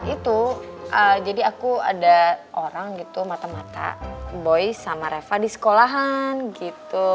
itu jadi aku ada orang gitu mata mata boy sama reva di sekolahan gitu